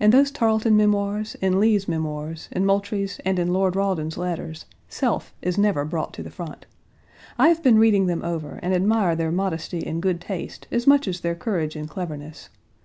In those Tarleton Memoirs, in Lee's Memoirs, in Moultrie's, and in Lord Rawdon's letters, self is never brought to the front. I have been reading them over and admire their modesty and good taste as much as their courage and cleverness.